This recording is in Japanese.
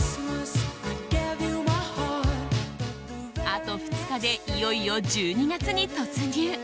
あと２日でいよいよ１２月に突入！